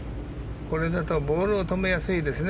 これボールを止めやすいですね